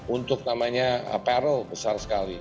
untuk namanya parror besar sekali